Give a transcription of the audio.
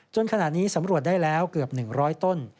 ขณะนี้สำรวจได้แล้วเกือบ๑๐๐ต้น